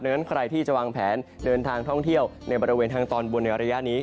นั้นใครที่จะวางแผนเดินทางท่องเที่ยวในบริเวณทางตอนบนในระยะนี้